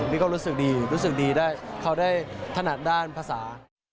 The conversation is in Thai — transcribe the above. นี่ก็รู้สึกดีรู้สึกดีได้เขาได้ถนัดด้านภาษา